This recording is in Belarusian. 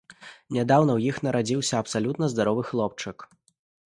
Нядаўна ў іх нарадзіўся абсалютна здаровы хлопчык.